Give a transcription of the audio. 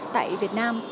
tại việt nam